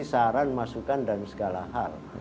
saran masukan dan segala hal